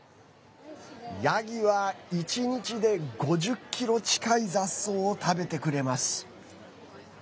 ヤギは１日で５０ｋｇ近い雑草を食べてくれます。